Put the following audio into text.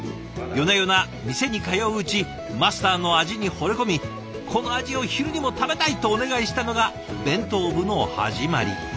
夜な夜な店に通ううちマスターの味にほれ込み「この味を昼にも食べたい！」とお願いしたのが弁当部の始まり。